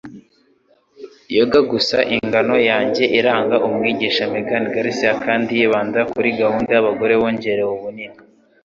Yoga: Gusa Ingano yanjye iranga umwigisha Megan Garcia kandi yibanda kuri gahunda kubagore bongerewe ubunini.